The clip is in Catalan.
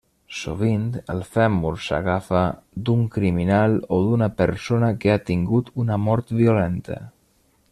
Sovint el fèmur s'agafa d'un criminal o d'una persona que ha tingut una mort violenta.